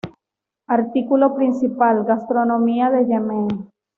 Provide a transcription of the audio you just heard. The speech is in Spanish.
Artículo principal: "Gastronomía de Yemen".